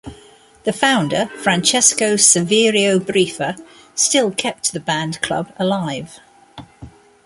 The founder, Francesco Saverio Briffa, still kept the band club alive.